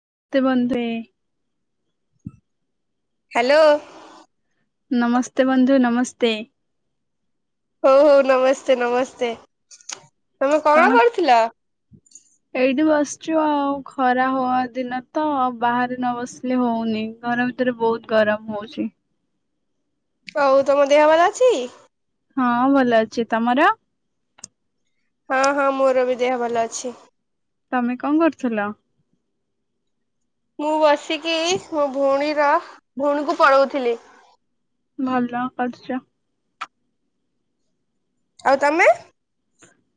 [unintelligible] Hello ନମସ୍ତେ ବନ୍ଧୁ ନମସ୍ତେ। ଓହ ନମସ୍ତେ ନମସ୍ତେ ତମେ କଣ କରୁଥିଲ? ଚୁ ଆଉ ଖରା ହବା ଦିନ ତ ବାହାରେ ନ ବସିଲେ ହଉନି ଘର ଭିତରେ ବହୁତ ଗରମ ହଉଛି। ହଉ ତମ ଦେହ ଭଲ ଅଛି? ହଁ ଭଲ ଅଛି ତମର? ହଁ ହଁ ମୋର ବି ଦେହ ଭଲ ଅଛି। ତମେ କଣ କରୁଥିଲ? ମୁଁ ବସିକି ମୋ ଭଉଣୀର ଭଉଣୀକୁ ପଳଉଥିଲି ଭଲ କରିଛ। ଆଉ ତମେ?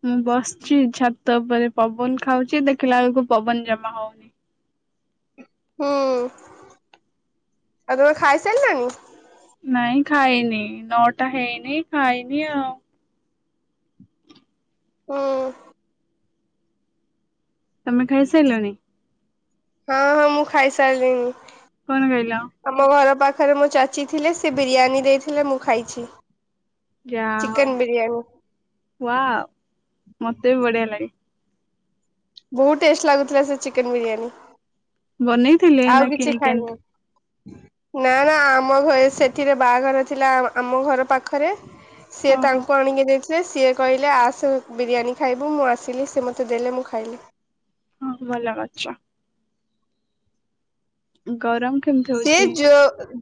ମୁଁ ବସିଛି ଛାତ ଉପରେ ପବନ ଖାଉଛି ଦେଖିଲା ବେଳକୁ ପବନ ଜମା ହଉନି। ହୁଁ ଆଉ ତମେ ଖାଇ ସାଇଲଣି? ନାଇଁ ଖାଇନି ନଅଟା ହେଇନି ଖାଇନି ଆଉ ହୁଁ। ତମେ ଖାଇସାରିଲଣି? ହଁ ହଁ ମୁଁ ଖାଇ ସାରିଲିନି। କଣ ଖାଇଲ ଆମ ଘର ପାଖ ପାଖରେ ମୋ ଚାଚୀ ଥିଲେ ସେ ବିରିୟାନୀ ଦେଇଥିଲେ ମୁଁ ଖାଇଛି। ଯାହ ହଉ ଚିକେନ ବିରିୟାନୀ ୱାଅ ମତେ ବି ବଢିଆ ଲାଗେ। ବହୁତ ଟେଷ୍ଟ ଲାଗୁଥିଲା ସେ ଚିକେନ ବିରିୟାନୀ ବନେଇଥିଲେ ଆଉ ନା କିଛି କିଣିକି ଖାଇନି। ଆଣିଥିଲେ। ନା ନା ଆମ ଘରେ ସେଠିରେ ବାହାଘର ଥିଲା ଆମ ଘର ପାଖରେ ସିଏ ଓହୋ ତାଙ୍କୁ ଆଣିକି ଦେଇ ସେ ସିଏ କହିଲେ ଆସ ବିରିୟାନୀ ଖାଇବୁ ମୁଁ ଆସିଲି ସେ ମୋତେ ଦେଲେ ମୁଁ ଖାଇଲି ହଁ ଭଲ କରି। ଗୌରମ [inaudible] ସେ ଯ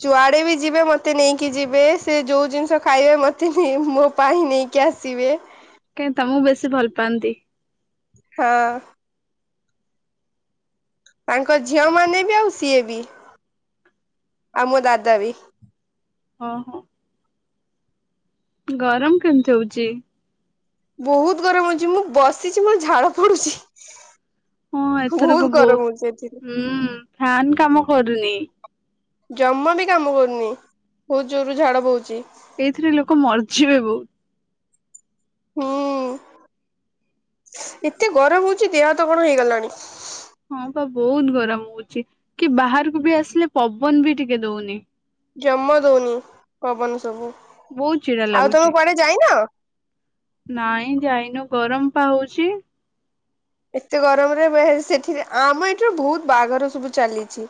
ଯୁଆଡ଼େ ବି ଯିବେ ମୋତେ ନେଇକି ଯିବେ ସେ ଯେଉଁ ଜିନିଷ ଖାଇବେ ମୋତେ ନେ ମୋ ପାଇଁ ହିଁ ନେଇକି ଆସିବେ। କାଇଁ ତମକୁ ବେଶୀ ଭଲ ପାଆନ୍ତି ହଁ। ତାଙ୍କ ଝିଅ ମାନେ ବି ଆଉ ସିଏ ବି ଆଉ ମୋ ଦାଦା ବି। ହଁ ହଁ। ଗରମ କେମିତି ହଉଚି? ବହୁତ ଗରମଛି ମୁଁ ବସିଛି ମୋର ଝାଳ ପଡୁଛି। ହଁ ବହୁତ ଏଥରକ ଗରମ ହଉଛି ଏଥିରେ। ବହୁତ ହୁଁ ଫାନ କାମ କରୁନି। ଜମା ବି କାମ କରୁନି ବହୁତ ଜୋରରୁ ଝାଡ ବୋହୁଛି। ଏଇଥିରେ ଲୋକ ମରିଯିବେ ବହୁତ। ହୁଁ ଏତେ ଗରମ ହଉଛି ଦେହ ତ କଣ ହେଇଗଲାଣି? ହଁ ବା ବହୁତ ଗରମ ହଉଛି କି ବାହାରକୁ ବି ଆସିଲେ ପବନ ବି ଟିକେ ଦଉନି। ଜମ ଦଉନି ପବନ ସବୁ ବହୁତ ଚିଡା ଆଉ ଲାଗୁଛି ତମକୁ ପରେ ଯାଇନ ନାଇଁ ଯାଇନୁ ଗରମ ପା ହଉଛି। ଏତେ ଗରମରେ ସେଠରେ ଆମ ଏଠିରୁ ବହୁତ ବାହାଘର ସବୁ ଚାଲିଛି।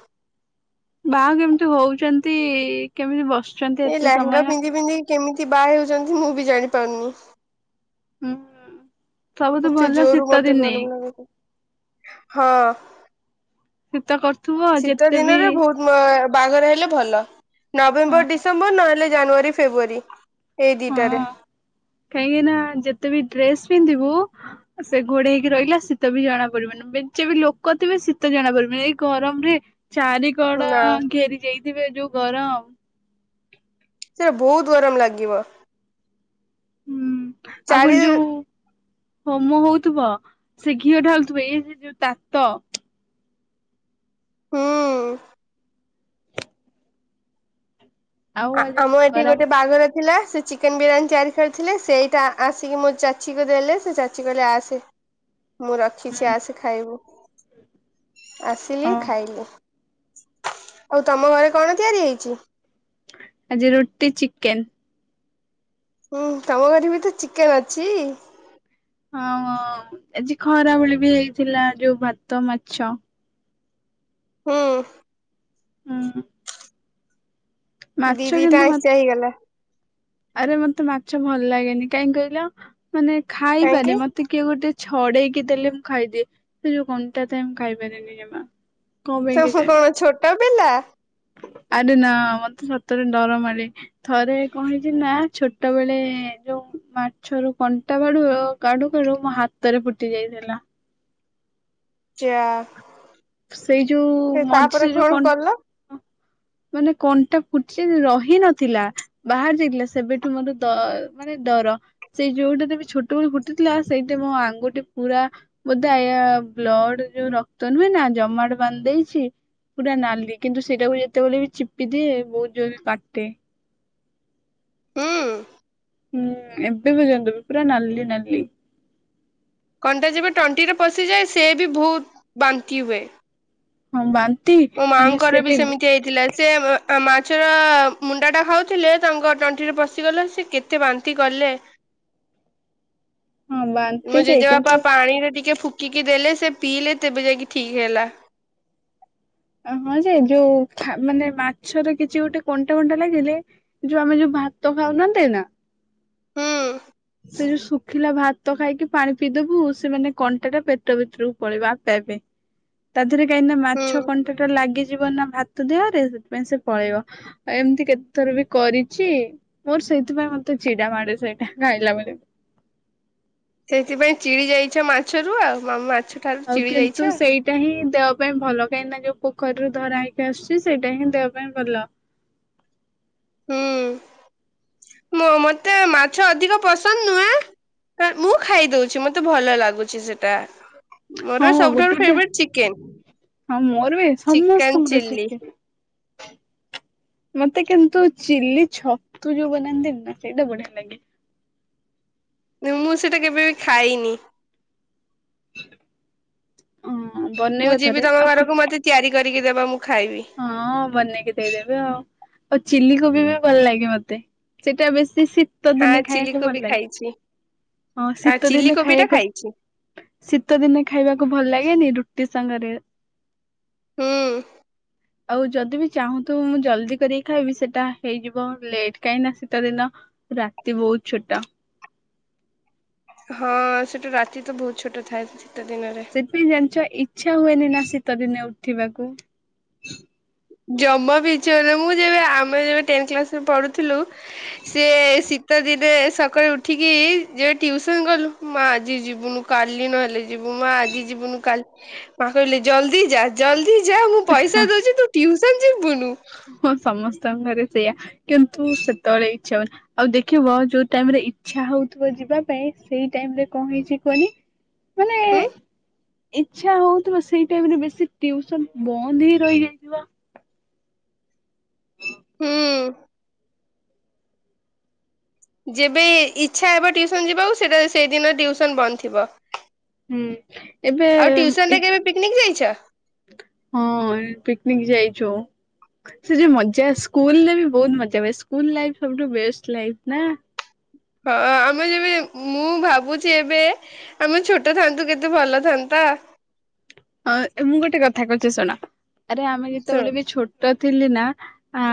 ବାହା କେମିତି ହଉଛନ୍ତି କେମିତି ବସ ଏଇ ଲେହଙ୍ଗା ପିନ୍ଧିପିନ୍ଧି କେମିତି ବାହା ହେଉଛନ୍ତି ମୁଁ ବି ଜାଣିପାରୁନି? ସବୁ ତ ଏତେ ଭଲ ଜୋରୁ ଶୀତ ମତେ ଦିନେ ଘର ଲାଗ ହଁ ଶୀତ କର ଶୀତ ଦିନରେ ବହୁତ ବାହାଘର ହେଲେ ଭଲ। ହଁ ନଭେମ୍ବର ଡିସେମ୍ବର ନହେଲେ ଜାନୁଆରୀ ଫେବୁଆାରୀ ହଁ କାହିଁକି ନା ଯେତେ ବି ଡ୍ରେସ୍ ପିନ୍ଧିବୁ ବୁ ସେ ଘୋଡେଇ ହେଇକି ରହିଲା ଶୀତ ବି ଜଣା ପଡିବନି ବେଞ୍ଚେ ବି ଲୋକ ଥିବେ ଶୀତ ଜଣା ପଡିବନି ଏଇ ଗରମ ରେ ଚାରି କଡ ନା। ଘେରି ଯାଇଥିବେ ଯୋଉ ଗରମ ସେଟା ବହୁତ ଗରମ ଲାଗିବ। ହୁଁ ଆଉପ ଚାରି ଯୋଉ ହୋମ ହଉଥିବ ସେ ଘିଅ ଢାଲୁଥିବ ଏଇ ଯୋଉ ତାତ ହଁ। ଆଉ ଆଜି ଆମ ଏଠି ଗୋଟେ ଖରାବେଳେ ବାହାଘର ଥିଲା ସେ ଚିକେନ ବିରିୟାନୀ ତିଆରି କରିଥିଲେ ସେଇଟା ଆସିକି ମୋ ଚାଚୀକୁ ଦେଲେ ସେ ଚାଚୀ କହିଲେ ଆସେ। ମୁଁ ରଖିଛି ହୁଁ ଆସ ଖାଇବୁ। ଆସିଲି ହଁ ଖାଇଲି। ଆଉ ତମ ଘରେ କଣ ତିଆରି ହେଇଛି? ଆଜି ରୁଟି ଚିକେନ। ହୁଁ ତମ ଘରେ ବି ତ ଚିକେନ ଅଛି। ହଁ ଆଜି ଖରା ଭଳି ବି ହେଇଥିଲା ଯୋଉ ଭାତ ମାଛ। ହୁଁ। ହଁ। ଦିଦି ଦିଦି ଟା ମ ଆଇଁସା ହେଇଗଲା। ଆରେ ମତେ ମାଛ ଭଲ ଲାଗେନି କାହିଁ କହିଲ? ମାନେ ଖାଇପାରେ କାହିଁକି ମତେ କିଏ ଗୋଟେ? ଛଡେଇକି ଦେଲେ ମୁଁ ଖାଇଦିଏ ସେ ଯୋଉ ଘଣ୍ଟା ଥାଏ ମୁଁ ଖାଇପାରିନି ଜମା। କଣ ପାଇଁ ସ କେଜାଣି ସକାଳେ ଛୋଟ ପିଲା ଆରେ ନାଁ ମତେ ସତରେ ଡର ମାଡେ। ଥରେ କଣ ହେଇଚି ନା ଛୋଟ ବେଳେ ଯୋଉ ମାଛରୁ କଣ୍ଟା ବାଡୁ କାଡୁ କାଡୁ ମୋ ହାତରେ ଫୁଟି ଯାଇଥିଲା। ଚା ସେଇ ଯୋଉ ମଝିରେ ଯୋଉ କ କଲ ମାନେ କଣ୍ଟା ଫୁଟିି ରହି ନଥିଲା ବାହାରି ଯାଇଥିଲା। ସେବେଠୁ ମୋର ଦ ମାନେ ଡର। ସେଇ ଯୋଉଟାରେ ବି ଛୋଟବେଳ ଫୁଟିଥିଲା ସେଇଠି ମୋ ଆଙ୍ଗୁଟି ପୁରା ବୋଧେ ଏଇଆ ବ୍ଲଡ ଯୋଉ ରକ୍ତ ନୁହେଁନା। ଜମାଟ ବାନ୍ଧି ଦେଇଚି ପୁରା ନାଲି କିନ୍ତୁ ସେଇଟାକୁ ଯେତେବେଳେ ବି ଚିପି ଦିଏ ବୋହୁତ ଜୋରରେ କାଟେ। ହୁଁ। ହୁଁ ଏବେ ପର୍ଯ୍ୟନ୍ତ ବି ପୁରା ନାଲି ନାଲି କଣ୍ଟା ଯେବେ ଟଣ୍ଟିରେ ପଶିଯାଏ ସେ ବି ବହୁତ ବାନ୍ତି ହୁଏ। ହଁ ବା ମୋ ମାଙ୍କର ବି ସେମିତି ହେଇଥିଲା ସେ ମାଛର ମୁଣ୍ଡାଟା ଖାଉଥିଲେ ତାଙ୍କ ତଣ୍ଟିରେ ପଶିଗଲେ। ସେ କେତେ ବାନ୍ତି କଲେ। ବାନ୍ତି ମୁଁ ଯେ ଜେଜେବାପା କିନ୍ତୁ ପାଣିରେ ଟିକେ ଫୁ ଙ୍କିକି ଦେଲେ ସେ ପିଇଲେ ତେବେ ଯାଇକି ଠିକ୍ ହେଲା। ଆଉ ହଁ ଯେ ଯୋଉ ହା ମାନେ ମାଛର କିଛି ଗୋଟେ କଣ୍ଟା ଫଣ୍ଟା ଲାଗିଲେ ଯୋଉ ଆମେ ଯୋଉ ଭାତ ଖାଉନାହାନ୍ତି ନା ହୁଁ। ସେ ଯୋଉ ଶୁଖିଲା ଭାତ ଭତ ଖାଇକି ପାଣି ପିଇଦବୁ ସେମାନେ କଣ୍ଟା ଟା ପେଟ ଭିତରକୁ ପଳେଇବା ପାଇବେ ତା ରେ କାହିଁକି ନା ହୁଁ ମାଛ କଣ୍ଟାଟା ଲାଗିଯିବ ନା ଭାତ ତାଦେହରେ ସେଥିପାଇଁ ସେ ପଳେଇବ। ଆ ଏମିତି କେତେ ଥର ବି କରିଛି। ମୋର ସେଇଥିପାଇଁ ମତେ ଚିଡା ମାଡେ ସେଇଟା। ଖାଇଲାବେଳେ ବି ସେଥିପାଇଁ ଚିଡି ଯାଇଛ ମାଛରୁ ଆଉ ମାମା ମାଛ ଠାରୁ ଚିଡ଼ି ଯାଇଛ ଦେବା ପାଇଁ ଭଲ କାହିଁକି ନା ଯୋଉ ପୋଖରୀରୁ ଧରା ହେଇକି ଆସୁଚି ସେଇଟା ହିଁ ଦେହ ପାଇଁ ଭଲ। ହୁଁ ମ ମତେ ମାଛ ଅଧିକ ପସନ୍ଦ ନୁହେଁ। ମୁଁ ଖାଇଦଉଚି। ମତେ ଭଲ ଲାଗୁଚି ସେଟା। ମୋର ହଁ ସବୁଠାରୁ ଗୋଟେ ଗୋଟେ ଫେବରେଟ ଚିକେନ। ହଁ ମୋର ବି ଚିକେନ ସମସ୍ତଙ୍କର ଚିଲ୍ଲି ଶିଖେ ମତେ କିନ୍ତୁ ଚିଲି ଛତୁ ଯୋଉ ବନାନ୍ତିନି ନା ସେଇଟା ବଢିଆ ଲାଗେ। ମୁଁ ସେଇଟା କେବେ ବି ଖାଇନି। [inaudible] ହଁ। ମୁଁ ବନେଇବ ଯିବି ଥରେ ତମ ଆଉ ଘରକୁ ମତେ ତିଆରି କରିକି ଦେବ ମୁଁ ଖାଇବି। ହଁ ବନେଇକି ଦେଇଦେବି ଆଉ। ଆଉ ଚିଲିକୋବି ବି ଭଲ ଲାଗେ ମତେ ସେଇଟା ବେଶୀ ଶୀ ତ ହଁ ଦିନେ ଚିଲି ଖାଇବାକୁ କୋବି ଭଲ ଲାଗେ। ଖାଇଛି। ହଁ ଆ ଶୀତ ଚିଲି ଦିନେ କୋବି ଟା ଖାଇବାକୁ, ଖାଇଛି। ଶୀତ ଦିନେ ଖାଇବାକୁ ଭଲ ଲାଗେନି ରୁ ଟି ସାଙ୍ଗରେ। ହୁଁ। ଆଉ ଯଦି ବିି ଚାହୁଁଥିବ ମୁଁ ଜଲଦି କରିକି ଖାଇବି ସେଟା ହେଇଯିବ ଲେଟ୍ କାହିଁକି ନା ଶୀତ ଦିନ ରାତି ବହୁତ ଛୋଟ। ହଁ ସେଠୁ ରାତି ତ ବହୁତ ଛୋଟ ଥାଏ। ଦିନରେ। ସେଥି ପାଇଁ ଜାଣିଛ। ଇଚଛା ହୁଏନି ନା ଶୀତ ଦିନେ ଉଠିବାକୁ ଜମା ବି ଇଚ୍ଛା ହୁଏନି। ମୁଁ ଯେବେ ଆମେ ଯେବେ ଟେନତ କ୍ଲାସରେ ପଢୁଥିଲୁ ସେ ଶି ଶୀତ ଦିନେ ସକାଳେ ଉଠିକି ଯ ଟିୁସନ କଲୁ, ମା ଆଜି ଯିବୁନୁ କାଲି ନହେଲେ ଯ ଯିବୁ ମା ଆଜି ଯିବୁନୁ କାଲି ପାଖରିଲେ ଜଲ ଦି ଯା ଜଲ୍ଦି ଯା ମୁଁ ପଇସା ଦଉଛି ତୁ ଟ୍ୟୁସନ ଜୀବୁନୁ? ହଁ ସମସ୍ତଙ୍କରେ ସେଇୟଆ, କିନ୍ତୁ ସେତେବେଳେ ଇଚଛା ହଉନି ଆଉ ଦେଖିବ ଯୋଉ ଟାଇମ ରେ ଇଚ୍ଛା ହଉଥିବ ଯିବା ପାଇଁ ସେଇ ଟାଇମ ରେ କଣ ହେଇଚି କୁହନି ମାନେ ହୁଁ ଇଛା ହଉଥିବ ସେଇ ଟାଇମରେ ବେଶୀ ଟ୍ୟୁସନ ବନ୍ଦ ହେଇ ରହିଯାଇିଥିବ। ହୁଁ। ଯେବେ ଇଚଛା ହେବ ଟିଉସନ ଯିବାକୁ ସେତେବେଳେ ସେଇଦିନ ଟିଉସନ ବନ୍ଦ ଥିବ। ହୁଁ। ଏବେ ଆଉ ଏ ଟ୍ୟସନରେ କେବେ ପିକନିକ ଯାଇଛ? ହଁ ପିକନିକ ଯାଇଛୁ। ସେ ଯ ମଜା ସ୍କୁଲ ରେ ବି ବହୁତ ମଜା ହୁଏ। ସ୍କୁଲ ଲାଇଫ ସବୁଠୁ ବେଷ୍ଟ ଲାଇଫ ନା? ହଁ ଆମେ ଯେବେ ମୁଁ ଭାବୁଚି ଏବେ ଆମେ ଛୋଟ ଥାନ୍ତୁ କେତେ ଭଲ ଥାନ୍ତା। ହଁ ମୁଁ ଗୋଟେ କଥା କହୁଚି ଶୁଣ। ଆରେ ଆମେ ଶୁଣ ଯେତେବେଳେ ବି ଛୋଟ ଥିଲି ନା ଆ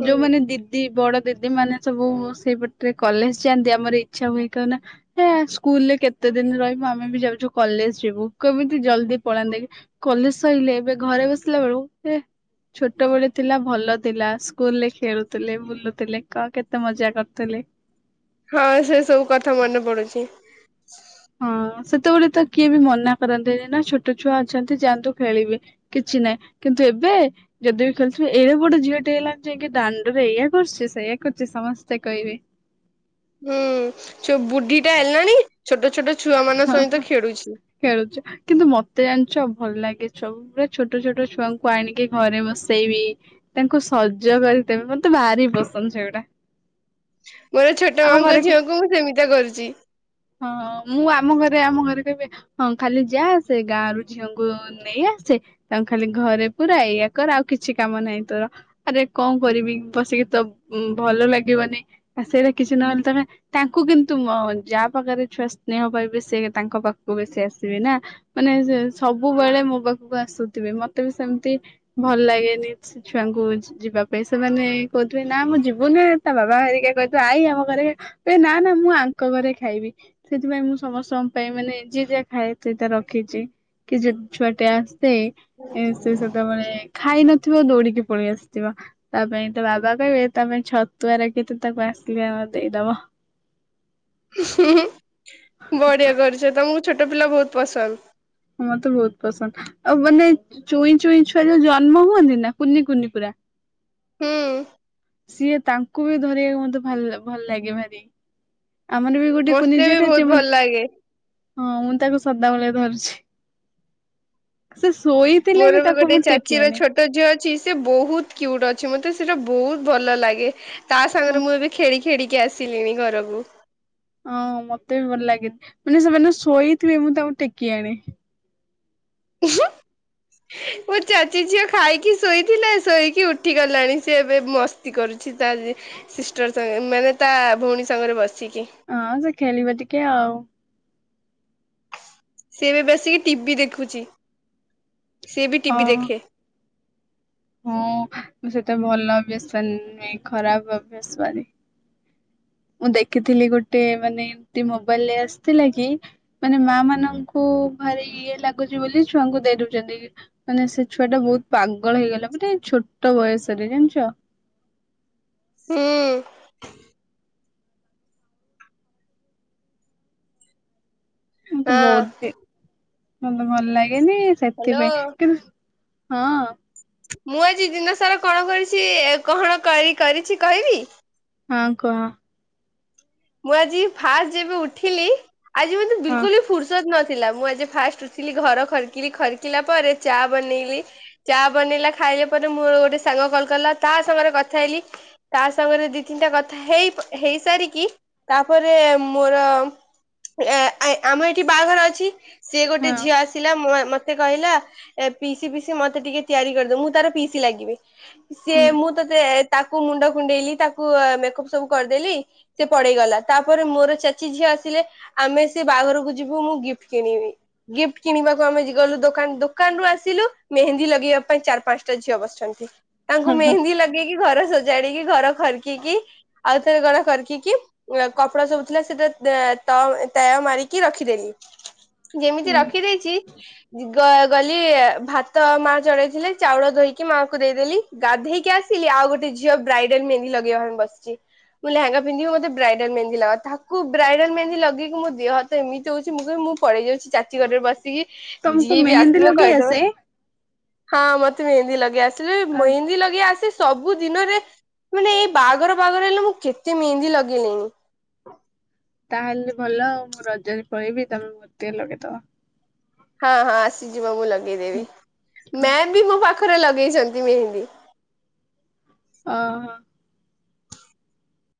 ହୁଁ ଯୋଉମାନେ ଦିଦି ବଡ ଦିଦି ମାନେ ସବୁ ସେଇପଟରେ କଲେଜ ଯାଆନ୍ତି ଆମର ଇଚ୍ଛା ହୁଏ କନା ହେ ସ୍କୁଲରେ କେତେ ଦିନ ରହିବ ଆମେ ବି ଯାଉଚୁ କଲେଜ ଯିବୁ କେମିତି ଜଲଦି ପଳାନ୍ତି କଲେଜ ସରିଲେ ଏବେ ଘରେ ବସିଲା ବେଳୁ ଏ ଛୋଟ ବଳେ ଥିଲା ଭଲ ଥିଲା ସ୍କୁଲ ରେ ଖେଳୁଥିଲେ ବୁଲୁଥିଲେ କ କେତେ ମଜା କରୁଥିଲେ। ହଁ ସେ ସବୁ କଥା ମନେ ପଡୁଚି। ହଁ ସେତେବେଳେ ତ କିଏ ବି ମନା କରନ୍ତିନି ନା ଛୋଟ ଛୁଆ ଅଛନ୍ତି ଯାଆନ୍ତୁ ଖେଳିବେ ବୋଲି କିଛି ନାହିଁ କିନ୍ତୁ ଏବେ ଯଦି ବି ଖେଳୁଥିବେ ଏଡେ ବଡ ଝିଅଟିେ ହେଇଲାଣି ଯାଇକ ଦାଣ୍ଡରେ ଏଇଆ କରୁଚୁ ସେଇୟଆ କରୁଚୁ ସମସ୍ତେ କହିବେ। ହୁଁ ସେ ବୁଢୀ ଟା ହେଲାଣି ଛୋଟ ଛୋଟ ଛୁଆ ମାନଙ୍କ ହ ସହିତ ଖେଳୁଛି। ଖେଳୁଛ କିନ୍ତୁ ମତେ ଜାଣିଛ ଭଲ ଲାଗେ ସବୁ ପୁରା ଛୋଟ ଛୋଟ ଛୁଆଙ୍କୁ ଆଣିକି ଘରେ ବସେଇବି ତାଙ୍କୁ ସଜ କରିଦେବ ମତେ ଭାରି ପସନ୍ଦ ସେଗୁଟା ମୋର ଛୋଟ ମାଆଙ୍କ ଝିଅ କ ମୁଁ ସେମିତି କରୁଛି। ହଁ ମୁଁ ଆମ ଘରେ ଆମ ଘରେ କହିବି ହଁ ଖାଲି ଯାହା ଆସେ ଗାଁ ର ଝିଅଙ୍କୁ ନେଇ ଆସେ ତାଙ୍କୁ ଖାଲି ଘରେ ପୁରା ଇୟଆ କର ଆଉ କିଛି କାମ ନାହିଁ ତୋର ଆରେ କଣ କରିବି ବସିକି ତ ଭଲ ଲାଗିବନି ଆ ସେଇଟା କିଛି ନହେଲେ ତ ତାଙ୍କୁ କିନ୍ତୁ ଯାହା ପାଖରେ ଛୁଆ ସ୍ନେହ ପାଇଁ ବେଶି ତାଙ୍କ ପାଖକୁ ବେଶି ଆସିବି ନା ମାନେ ସବୁବେଳେ ମୋ ପାଖକୁ ଆସୁଥିବେ ମତେ ବି ସେମିତି ଭଲ ଲାଗେନି ସେ ଛୁଆଙ୍କୁ ଯିବା ପାଇଁ ସେମାନେ କହୁଥିବେ ନା ମୁଁ ଯିବୁନି ତା ବାବା ହେରିକା କହିଥିବ ଆଇ ଆମ ଘରେ ନା ନା ମୁଁ ଆଙ୍କ ଘରେ ଖାଇବି ସେଥିପାଇଁ ମୁଁ ସମସ୍ତଙ୍କ ପାଇଁ ମାନେ ଯି ଯଆ ଖାଏ ସେଟା ରଖିଛି କି ଛୁଆ ଟ ସେ ସେ ସେତେବେଳେ ଖାଇନ ଥିବ ଦୌଡିକି ପଳେଇ ଆସିଥିବ ତା ପାଇଁ ତ ବାବା କହିବେ ତା ଛତୁଆରେ କେତେ ତାକୁ ଆସିକି ଆମ ଦେଇଦବ। ହଁ। ବଢିଆ କରିୁଛ ତ ମୁ ଛୋଟ ପିଲା ବହୁତ ପସନ୍ଦ। ହଁ ମତେ ବହୁତ ପସନ୍ଦ ଆଉ ମାନେ ଚୁଇଁ ଚୁଇଁ ଛୁଆ ଯୋଉ ଜନ୍ମ ହୁଅନ୍ତି ନା କୁନି କୁନି ପୁରା ହୁଁ ସିଏ ତାଙ୍କୁ ବି ଧରିବାକୁ ମତେ ଭଲ ଲାଗେ ଭାରି। ଆମର ବି ଗୋଟେ ମତେ ବି କୁନିଜେଠ ବହୁତ ଅଛି ହଁ ଭଲ ଲାଗେ। ମୁଁ ତାକୁ ସଦା ବୋଲି ଭାବଛି। ସେ ଶୋଇଥିଲେ ବି ତାକୁ ମୁଁ ଟେକିଣ ଅ ସେ ବହୁତ କୁଟ ଅଛି ମତେ ସେଟା ବହୁତ ଭଲ ଲାଗେ। ତା ହଁ ସାଙ୍ଗରେ ମୁଁ ଏବେ ଖେଳିକି ଖେଡିକି ଆସିଲିଣିି ଘରକୁ। ହଁ ମତେ ବି ଭଲ ଲାଗେନ ମାନେ ସେମାନେ ଶୋଇଥିବେ ମୁଁ ତାଙ୍କୁ ଟେକି ଆଣି ମୋ ଚାଚୀ ଝିଅ ଖାଇକି ଶୋଇଥିଲା ଶୋଇକି ଉଠି ଗଲାଣି ସେ ଏବେ ମସ୍ତି କରୁଛି ତା ସିଷ୍ଟରେ ମାନେ ତା ଭଉଣୀ ସାଙ୍ଗରେ ବସି ହଁ ସଖେଲି ବଧି କେ ଆଉ ସେବେ ବସିକି ଟିଭି ଦେଖୁଛି। ସେଏ ବି ଟିଭି ହଁ। ଦେଖେ ହଁ ସେତେ ଭଲ ଅ ବି ଆସ ଖରାପ ଅ ଆସନି ମୁଁ ଦେଖିଥିଲି ଗୋଟେ ମାନେ ଏମତି ମୋବାଇଲ ରେ ଆସିଥିଲା କି ମାନେ ମା ମାନଙ୍କୁ ଭାରି ଇଏ ଲାଗୁଛି ବୋଲି ଛୁଆଙ୍କୁ ଦେଇଦଉଛନ୍ତି ମାନେ ସେ ଛୁଆ ଟା ବହୁତ ପାଗଳ ହେଇଗଲା ମାନେ ଛୋଟ ବୟସରେ ଜାଣିଛ। ହୁଁ। ମୁ ତେ ହଁ ବହୁତ ମତେ ଭଲ ଲାଗେ। ି ହ୍ୟାଲୋ। ସେଥିପାଇଁ କିନ୍ତୁ ହଁ। ମୁଁ ଆଜି ଦିନ ସାରା କଣ କରିଛି କଣ କରି କରିଛି କହିବି। ହଁ କହ। ମୁଁ ଆଜି ଫାଷ୍ଟ ଯେବେ ଉଠିଲି। ଆଜି ମତେ ହଁ ବିଲକୁଲ ବି ଫୁର୍ସତ ନଛି। ଥିଲା ମୁଁ ଆଜି ଫାଷ୍ଟ ଉଠିଲି ଘର ଖରକିଲି ଖରକିଲା ପରେ ଚା ବନେଇଲି ଚା ବନେଇଲା ଖାଇଲା ପରେ ମୋର ଗୋଟେ ସାଙ୍ଗ କଲ କଲା ତା ସାଙ୍ଗରେ କଥା ହେଇଲି ତା ସାଙ୍ଗରେ ଦି ତିନିଟା କଥା ହେଇ ହେଇସାରିକି ତାପରେ ମୋର ଆମ ଏଠି ବାହାଘର ଅଛି। ସେଏ ଗୋଟେ ହଁ ଝିଅ ଆସିଲା। ମତେ କହିଲା ଏ ପିଇସି ପିଇସି ମତେ ଟିକେ ତିଆରି କରିଦେ। ମୁଁ ତାର ପିଇସି ଲାଗିବି। ସିଏ ହୁଁ। ମୁଁ ତତେ ଏ ତାକୁ ମୁଣ୍ଡ କୁଣ୍ଡେଇଲି ତାକୁ ଅ ମେକଅପ୍ ସବୁ କରିଦେଲି ସେ ପଳେଇଗଲା ତାପରେ ମୋର ଚାଚୀ ଝିଅ ଆସିଲେ ଆମେ ସେ ବାହାଘରକୁ ଯିବୁ ମୁଁ ଗିଫ୍ଟ କିଣିବି। ଗିଫ୍ଟ କିଣିବାକୁ ଆମେ ଗଲୁ ଦୋକାନ ଦୋକାନରୁ ଆସିଲୁ ମେହେନ୍ଦୀ ଲଗେଇବା ପାଇଁ ଚାରି ପାଞ୍ଚଟା ଝିଅ ବସିଛନ୍ତି। ତାଙ୍କୁୁ ହୁଁ ମେହେନ୍ଦି ଲଗେଇକି ଘର ସଜାଡିକି ଘର ଖରକିକି ଆଉଥରେ କଣ ଖରକିକି କପଡା ସବୁ ଥିଲା ସେଟା ତ ତ ତୟ ମାରିକି ରଖିଦେଲି। ଯେମିତି ରଖିଦେଇଛି ଦି ଗ ଗଲି-ଇ-ଇ ଭାତ ମାଆ ଚଳେଇଥିଲେ ଚାଉଳ ଧୋଇକି ମାଆ କୁ ଦେଇଦେଲି। ଗାଧେଇକି ଆସିଲି ଆଉ ଗୋଟେ ଝିଅ ବ୍ରାଇଡାଲ ମେହନ୍ଦି ଲଗେଇବା ପାଇଁ ବସିଛି। ମୁଁ ଲେହେଙ୍ଗା ପିନ୍ଧିବ ମତେ ବ୍ରାଇଡାଲ ମେହେନ୍ଦି ଲଗା। ତାକୁ ବ୍ରାଇଡାଲ ମେହେନ୍ଦୀ ଲଗେଇକି ମୋ ଦେହ ହାତ ଏମିତି ହଉଛି ମୁଁ କହିଲି ମୁଁ ପଳେଇ ଯାଉଛି। ଚାଚୀ ଘରରେ ବସିକି ତମକୁ ଯିଏ ବି ମେହେନ୍ଦୀ ଆସିବ ଲଗେଇ କହିଦେବ, ଆସେ? ହଁ ମତେ ମେହିନ୍ଦୀ ଲଗେଇ ଆସ ସେ ଆଉ ମହେନ୍ଦି ଲଗେଇ ଆସେ ସବୁ ଦିନରେ ମାନେ ଏଇ ବାହାଘର ବାହାଘର ହେଲେ ମୁଁ କେତେ ମେହେନ୍ଦି ଲଗେଇ ଗିଣିି ତାହେଲେ ଭଲ ଆଉ ମୁଁ ରଜରେ ପଳେଇବି ତମେ ମୋତେ ଲଗେଇଦବ। ହଁ ହଁ ଆସିଯିବ ମୁ ଲଗେ ଗେଇ ଦେବି ମ୍ୟାମ୍ ବି ମୋ ପାଖ ପାଖରେ ଲଗେଇଛନ୍ତି ମେହେନ୍ଦୀ। ହ ହ।